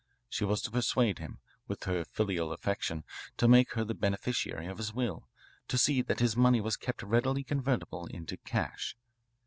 She was to persuade him, with her filial affection, to make her the beneficiary of his will, to see that his money was kept readily convertible into cash.